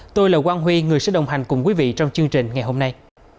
tôi là quang huy người sẽ đồng hành cùng quý vị trong chương trình ngày hôm nay